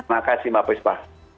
terima kasih mbak puspa